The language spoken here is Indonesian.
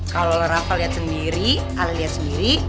kalo rafa liat sendiri ali liat sendiri